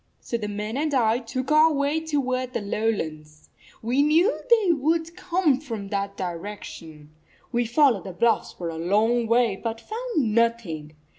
So the men and I took our way toward the lowlands. We knew they would come from that direction. We followed the bluffs for a long way, but found nothing.